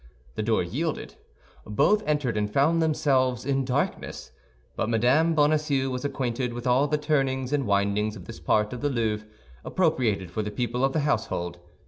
The door yielded. Both entered, and found themselves in darkness; but Mme. Bonacieux was acquainted with all the turnings and windings of this part of the Louvre, appropriated for the people of the household.